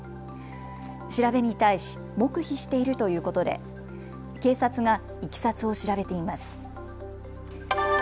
調べに対し黙秘しているということで警察がいきさつを調べています。